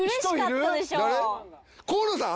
河野さん！？